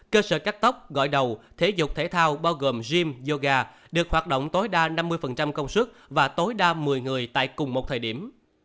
một mươi cơ sở cắt tóc gọi đầu thể dục thể thao bao gồm gym yoga được hoạt động tối đa năm mươi công suất và tối đa một mươi người tại cùng một thời điểm